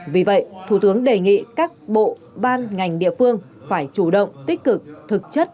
vì vậy thủ tướng đề nghị các bộ ban ngành địa phương phải chủ động tích cực thực chất